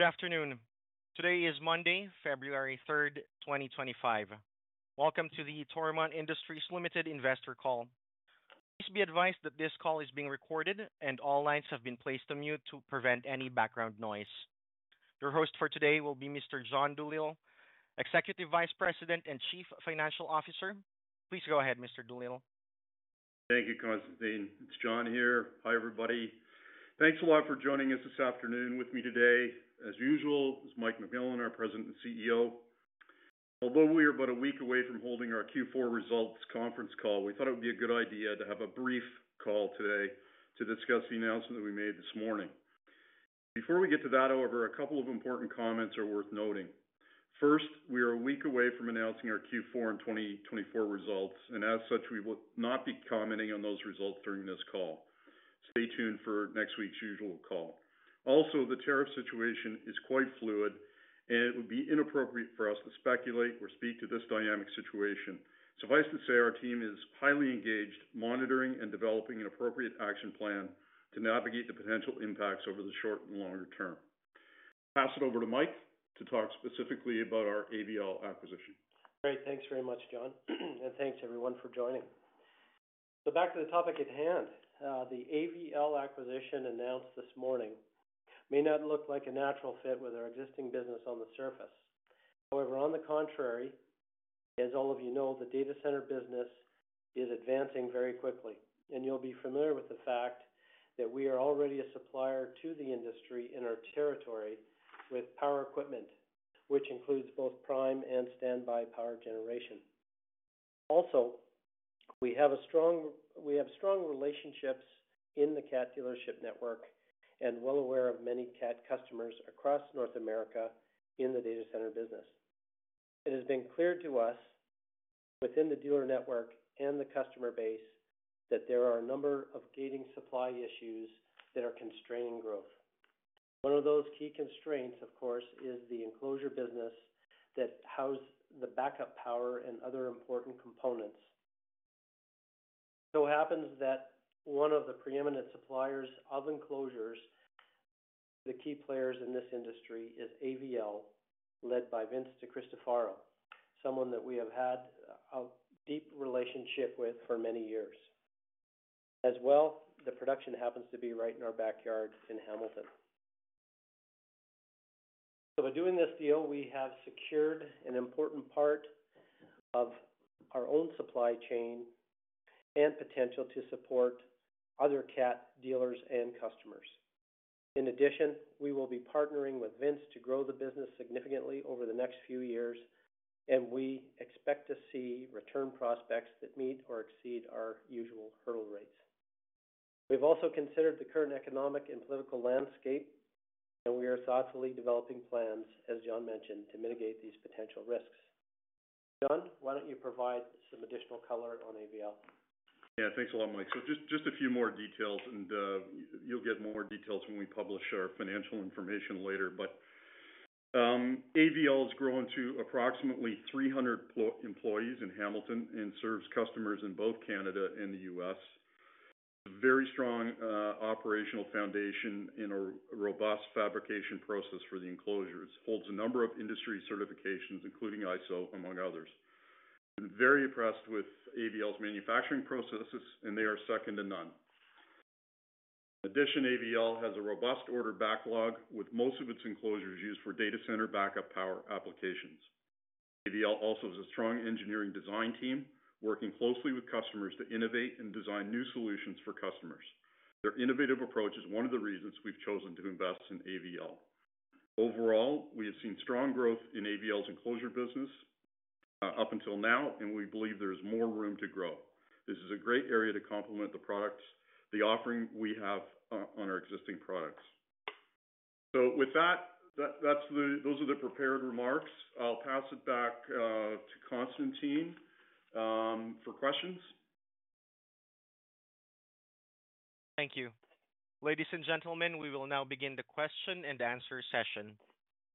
Good afternoon. Today is Monday, February 3rd, 2025. Welcome to the Toromont Industries Limited investor call. Please be advised that this call is being recorded, and all lines have been placed on mute to prevent any background noise. Your host for today will be Mr. John Doolittle, Executive Vice President and Chief Financial Officer. Please go ahead, Mr. Doolittle. Thank you, Constantine. It's John here. Hi, everybody. Thanks a lot for joining us this afternoon. With me today, as usual, is Mike McMillan, our President and CEO. Although we are about a week away from holding our Q4 results conference call, we thought it would be a good idea to have a brief call today to discuss the announcement that we made this morning. Before we get to that, however, a couple of important comments are worth noting. First, we are a week away from announcing our Q4 and 2024 results, and as such, we will not be commenting on those results during this call. Stay tuned for next week's usual call. Also, the tariff situation is quite fluid, and it would be inappropriate for us to speculate or speak to this dynamic situation. Suffice to say, our team is highly engaged, monitoring and developing an appropriate action plan to navigate the potential impacts over the short and longer term. I'll pass it over to Mike to talk specifically about our AVL acquisition. Great. Thanks very much, John. And thanks, everyone, for joining. So back to the topic at hand. The AVL acquisition announced this morning may not look like a natural fit with our existing business on the surface. However, on the contrary, as all of you know, the data center business is advancing very quickly, and you'll be familiar with the fact that we are already a supplier to the industry in our territory with power equipment, which includes both prime and standby power generation. Also, we have strong relationships in the Cat dealership network and are well aware of many Cat customers across North America in the data center business. It has been clear to us within the dealer network and the customer base that there are a number of gating supply issues that are constraining growth. One of those key constraints, of course, is the enclosure business that houses the backup power and other important components. So it happens that one of the preeminent suppliers of enclosures, the key players in this industry, is AVL, led by Vince DiCristofaro, someone that we have had a deep relationship with for many years. As well, the production happens to be right in our backyard in Hamilton. So by doing this deal, we have secured an important part of our own supply chain and potential to support other Cat dealers and customers. In addition, we will be partnering with Vince to grow the business significantly over the next few years, and we expect to see return prospects that meet or exceed our usual hurdle rates. We've also considered the current economic and political landscape, and we are thoughtfully developing plans, as John mentioned, to mitigate these potential risks. John, why don't you provide some additional color on AVL? Yeah. Thanks a lot, Mike. So just a few more details, and you'll get more details when we publish our financial information later. But AVL has grown to approximately 300 employees in Hamilton and serves customers in both Canada and the U.S. It's a very strong operational foundation and a robust fabrication process for the enclosures. It holds a number of industry certifications, including ISO, among others. We're very impressed with AVL's manufacturing processes, and they are second to none. In addition, AVL has a robust order backlog, with most of its enclosures used for data center backup power applications. AVL also has a strong engineering design team, working closely with customers to innovate and design new solutions for customers. Their innovative approach is one of the reasons we've chosen to invest in AVL. Overall, we have seen strong growth in AVL's enclosure business up until now, and we believe there is more room to grow. This is a great area to complement the offering we have on our existing products. So with that, those are the prepared remarks. I'll pass it back to Constantine for questions. Thank you. Ladies and gentlemen, we will now begin the question and answer session.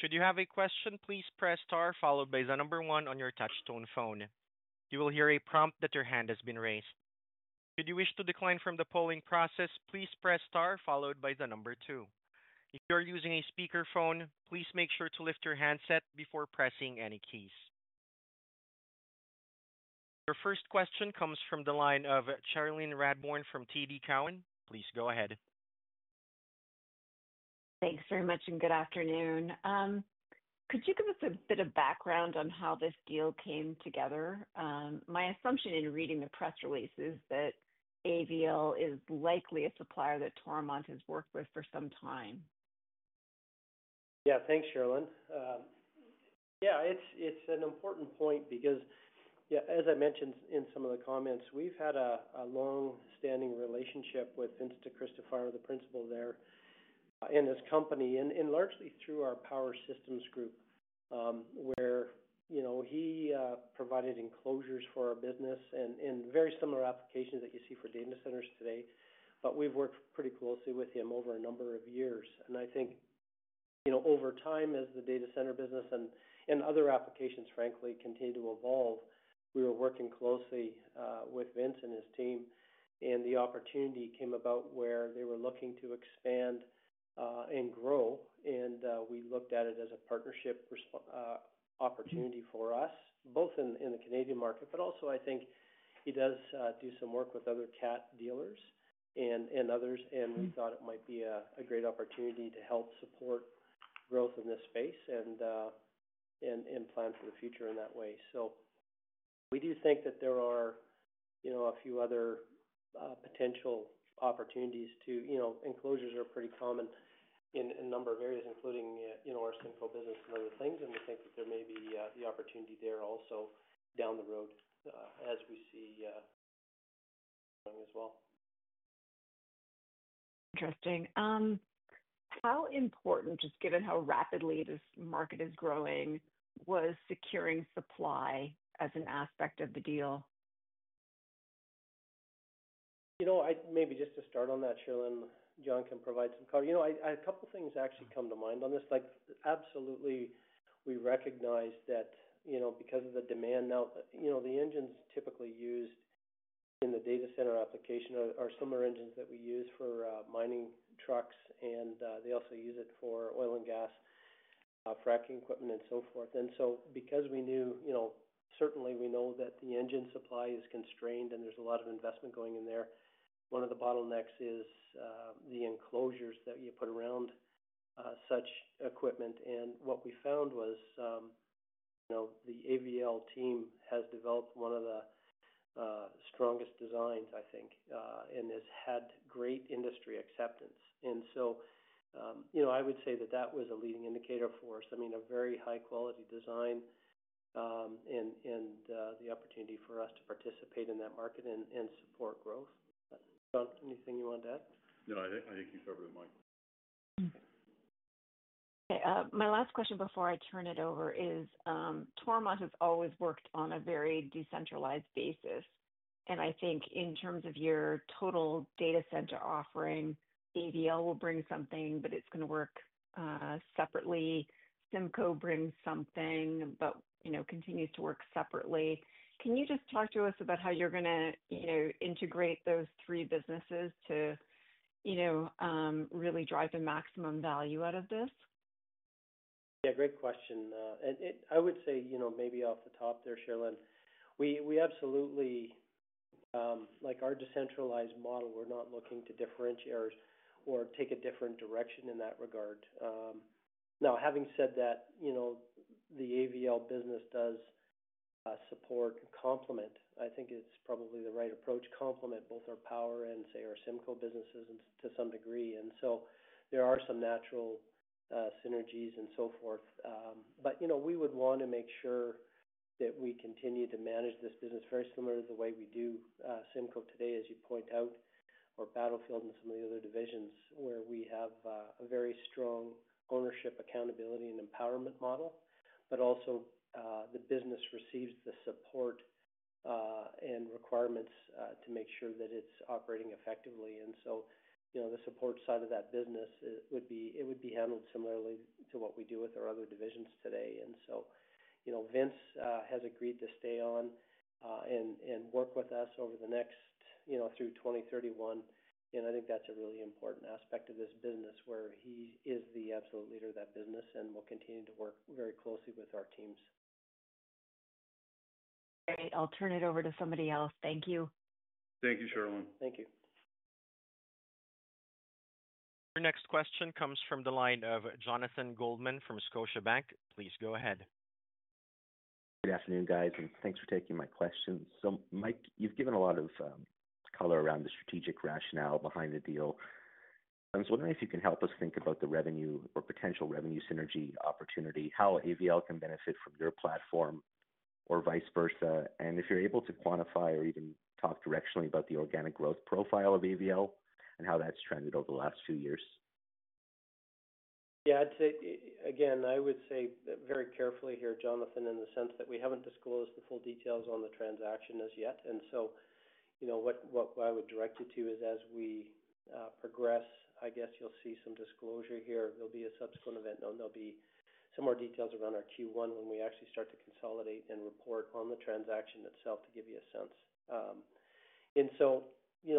Should you have a question, please press star, followed by the number one on your touch-tone phone. You will hear a prompt that your hand has been raised. Should you wish to decline from the polling process, please press star, followed by the number two. If you are using a speakerphone, please make sure to lift your handset before pressing any keys. Your first question comes from the line of Cherilyn Radbourne from TD Cowen. Please go ahead. Thanks very much and good afternoon. Could you give us a bit of background on how this deal came together? My assumption in reading the press release is that AVL is likely a supplier that Toromont has worked with for some time. Yeah. Thanks, Cherilyn. Yeah. It's an important point because, as I mentioned in some of the comments, we've had a long-standing relationship with Vince DiCristofaro, the principal there, and his company, and largely through our Power Systems group, where he provided enclosures for our business and very similar applications that you see for data centers today, but we've worked pretty closely with him over a number of years, and I think over time, as the data center business and other applications, frankly, continue to evolve, we were working closely with Vince and his team, and the opportunity came about where they were looking to expand and grow, and we looked at it as a partnership opportunity for us, both in the Canadian market, but also, I think he does do some work with other Cat dealers and others. We thought it might be a great opportunity to help support growth in this space and plan for the future in that way. So we do think that there are a few other potential opportunities, too. Enclosures are pretty common in a number of areas, including our CIMCO business and other things. And we think that there may be the opportunity there also down the road as we see growing as well. Interesting. How important, just given how rapidly this market is growing, was securing supply as an aspect of the deal? Maybe just to start on that, Cherilyn, John can provide some cover. A couple of things actually come to mind on this. Absolutely, we recognize that because of the demand now, the engines typically used in the data center application are similar engines that we use for mining trucks, and they also use it for oil and gas, fracking equipment, and so forth. And so because we knew, certainly, we know that the engine supply is constrained and there's a lot of investment going in there, one of the bottlenecks is the enclosures that you put around such equipment. And what we found was the AVL team has developed one of the strongest designs, I think, and has had great industry acceptance. And so I would say that that was a leading indicator for us. I mean, a very high-quality design and the opportunity for us to participate in that market and support growth. John, anything you want to add? No, I think you covered it, Mike. Okay. My last question before I turn it over is Toromont has always worked on a very decentralized basis. And I think in terms of your total data center offering, AVL will bring something, but it's going to work separately. CIMCO brings something but continues to work separately. Can you just talk to us about how you're going to integrate those three businesses to really drive the maximum value out of this? Yeah. Great question, and I would say maybe off the top there, Cherilyn, we absolutely, like our decentralized model, we're not looking to differentiate or take a different direction in that regard. Now, having said that, the AVL business does support and complement. I think it's probably the right approach to complement both our power and, say, our CIMCO businesses to some degree, and so there are some natural synergies and so forth. But we would want to make sure that we continue to manage this business very similar to the way we do CIMCO today, as you point out, or Battlefield and some of the other divisions where we have a very strong ownership, accountability, and empowerment model, but also the business receives the support and requirements to make sure that it's operating effectively. And so the support side of that business, it would be handled similarly to what we do with our other divisions today. And so Vince has agreed to stay on and work with us over the next through 2031. And I think that's a really important aspect of this business where he is the absolute leader of that business and will continue to work very closely with our teams. Okay. I'll turn it over to somebody else. Thank you. Thank you, Cherilyn. Thank you. Your next question comes from the line of Jonathan Goldman from Scotiabank. Please go ahead. Good afternoon, guys, and thanks for taking my questions. So Mike, you've given a lot of color around the strategic rationale behind the deal. I was wondering if you can help us think about the revenue or potential revenue synergy opportunity, how AVL can benefit from your platform or vice versa, and if you're able to quantify or even talk directionally about the organic growth profile of AVL and how that's trended over the last few years. Yeah. Again, I would say very carefully here, Jonathan, in the sense that we haven't disclosed the full details on the transaction as yet, and so what I would direct you to is as we progress, I guess you'll see some disclosure here. There'll be a subsequent event, and there'll be some more details around our Q1 when we actually start to consolidate and report on the transaction itself to give you a sense, and so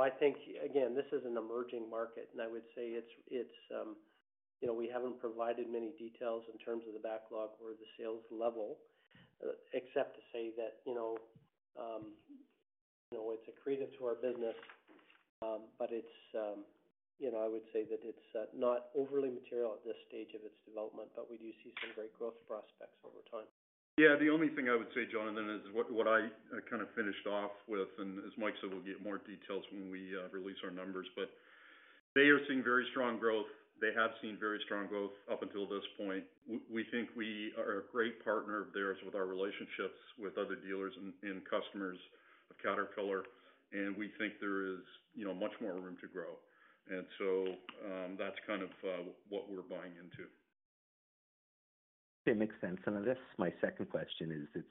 I think, again, this is an emerging market, and I would say we haven't provided many details in terms of the backlog or the sales level, except to say that it's accretive to our business, but I would say that it's not overly material at this stage of its development, but we do see some great growth prospects over time. Yeah. The only thing I would say, Jonathan, is what I kind of finished off with, and as Mike said, we'll get more details when we release our numbers. But they are seeing very strong growth. They have seen very strong growth up until this point. We think we are a great partner of theirs with our relationships with other dealers and customers of Caterpillar, and we think there is much more room to grow. And so that's kind of what we're buying into. Okay. Makes sense, and I guess my second question is, it's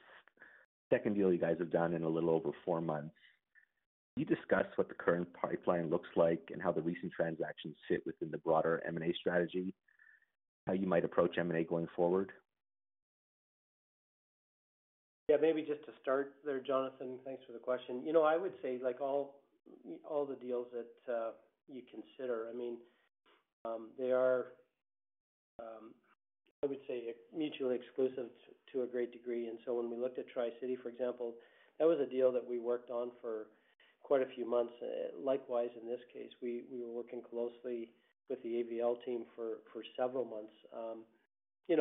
the second deal you guys have done in a little over four months. Can you discuss what the current pipeline looks like and how the recent transactions fit within the broader M&A strategy and how you might approach M&A going forward? Yeah. Maybe just to start there, Jonathan, thanks for the question. I would say all the deals that you consider, I mean, they are, I would say, mutually exclusive to a great degree. And so when we looked at Tri-City, for example, that was a deal that we worked on for quite a few months. Likewise, in this case, we were working closely with the AVL team for several months. And we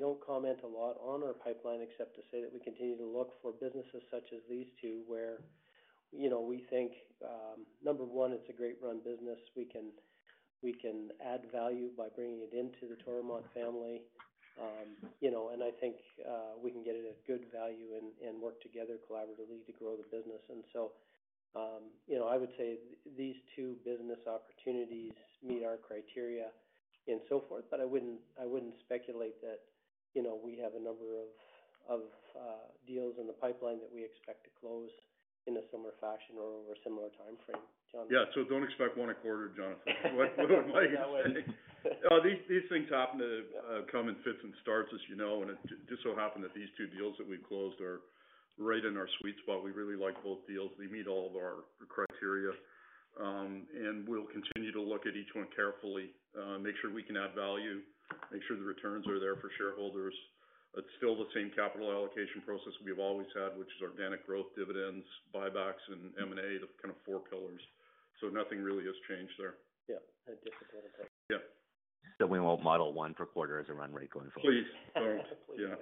don't comment a lot on our pipeline except to say that we continue to look for businesses such as these two where we think, number one, it's a great-run business. We can add value by bringing it into the Toromont family. And I think we can get it at good value and work together collaboratively to grow the business. And so I would say these two business opportunities meet our criteria and so forth, but I wouldn't speculate that we have a number of deals in the pipeline that we expect to close in a similar fashion or over a similar timeframe. Yeah, so don't expect one a quarter, Jonathan. Yeah. These things happen to come in fits and starts, as you know, and it just so happened that these two deals that we closed are right in our sweet spot. We really like both deals. They meet all of our criteria, and we'll continue to look at each one carefully, make sure we can add value, make sure the returns are there for shareholders. It's still the same capital allocation process we've always had, which is organic growth, dividends, buybacks, and M&A, the kind of four pillars, so nothing really has changed there. Yeah. Yeah. So we won't model one per quarter as a run rate going forward. Please. Yeah.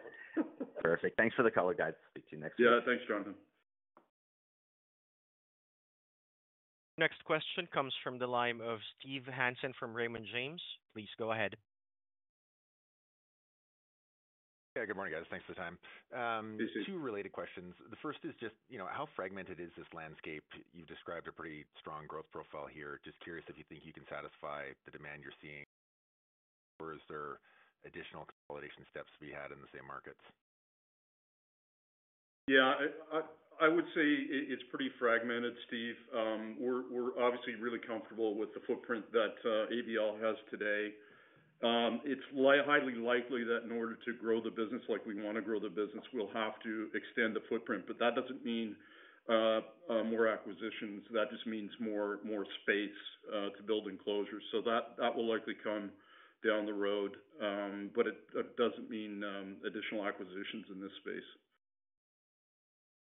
Perfect. Thanks for the color, guys. Speak to you next week. Yeah. Thanks, Jonathan. Next question comes from the line of Steve Hansen from Raymond James. Please go ahead. Hey. Good morning, guys. Thanks for the time. This is. Two related questions. The first is just how fragmented is this landscape? You've described a pretty strong growth profile here. Just curious if you think you can satisfy the demand you're seeing, or is there additional consolidation steps to be had in the same markets? Yeah. I would say it's pretty fragmented, Steve. We're obviously really comfortable with the footprint that AVL has today. It's highly likely that in order to grow the business like we want to grow the business, we'll have to extend the footprint. But that doesn't mean more acquisitions. That just means more space to build enclosures. So that will likely come down the road, but it doesn't mean additional acquisitions in this space.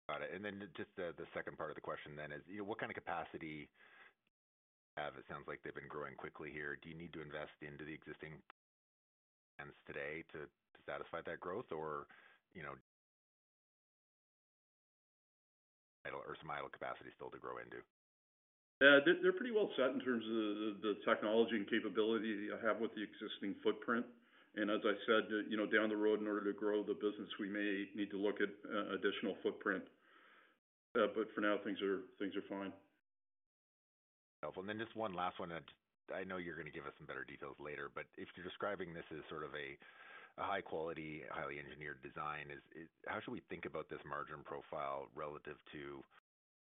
Got it. And then just the second part of the question then is what kind of capacity do you have? It sounds like they've been growing quickly here. Do you need to invest into the existing plants today to satisfy that growth, or is there some idle capacity still to grow into? They're pretty well set in terms of the technology and capability they have with the existing footprint. And as I said, down the road, in order to grow the business, we may need to look at additional footprint. But for now, things are fine. Helpful. And then just one last one. I know you're going to give us some better details later, but if you're describing this as sort of a high-quality, highly engineered design, how should we think about this margin profile relative to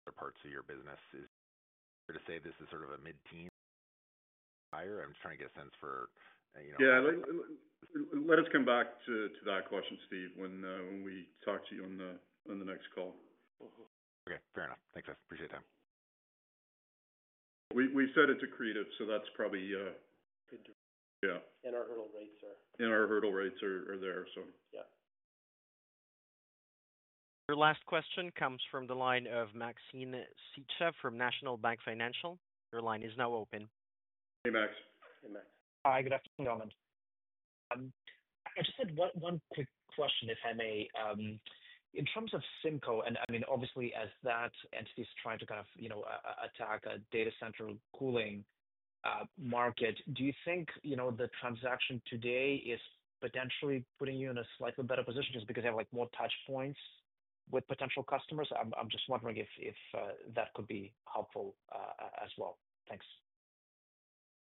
other parts of your business? Is it fair to say this is sort of a mid-teen, higher? I'm just trying to get a sense for. Yeah. Let us come back to that question, Steve, when we talk to you on the next call. Okay. Fair enough. Thanks, guys. Appreciate it. We said it's accretive, so that's probably. Good. Yeah. In our hurdle rates, sir. In our hurdle rates are there, so. Yeah. Your last question comes from the line of Maxim Sytchev from National Bank Financial. Your line is now open. Hey, Max. Hey, Max. Hi. Good afternoon, Donald. I just had one quick question, if I may. In terms of CIMCO, and I mean, obviously, as that entity is trying to kind of attack a data center cooling market, do you think the transaction today is potentially putting you in a slightly better position just because they have more touchpoints with potential customers? I'm just wondering if that could be helpful as well. Thanks.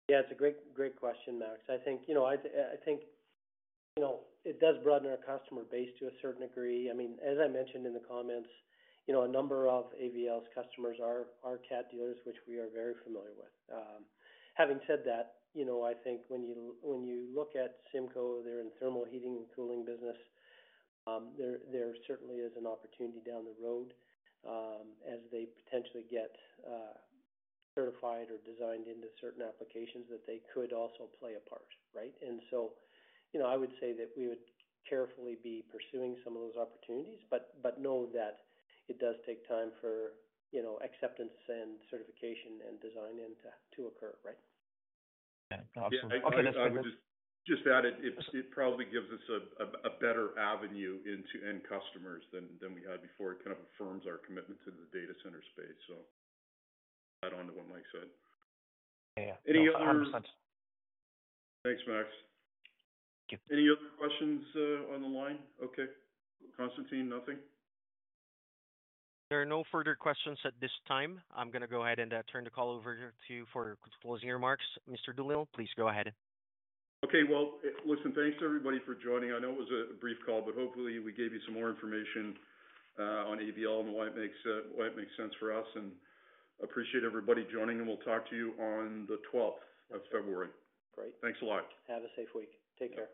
Yeah. It's a great question, Max. I think it does broaden our customer base to a certain degree. I mean, as I mentioned in the comments, a number of AVL's customers are Cat dealers, which we are very familiar with. Having said that, I think when you look at CIMCO, they're in the thermal heating and cooling business. There certainly is an opportunity down the road as they potentially get certified or designed into certain applications that they could also play a part, right? And so I would say that we would carefully be pursuing some of those opportunities, but know that it does take time for acceptance and certification and design to occur, right? Yeah. Absolutely. I would just add it probably gives us a better avenue into end customers than we had before. It kind of affirms our commitment to the data center space, so I'll add on to what Mike said. Yeah. Any other? 100%. Thanks, Max. Thank you. Any other questions on the line? Okay. Constantine, nothing? There are no further questions at this time. I'm going to go ahead and turn the call over to you for closing remarks. Mr. Doolittle, please go ahead. Okay. Well, listen, thanks to everybody for joining. I know it was a brief call, but hopefully, we gave you some more information on AVL and why it makes sense for us. And appreciate everybody joining, and we'll talk to you on the 12th of February. Great. Thanks a lot. Have a safe week. Take care.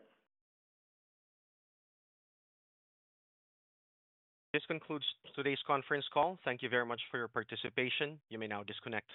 This concludes today's conference call. Thank you very much for your participation. You may now disconnect.